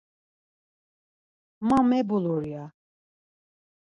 Ma mebulur ya.